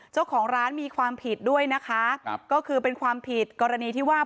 เจ้าของร้านมีความผิดด้วยนะคะครับก็คือเป็นความผิดกรณีที่ว่า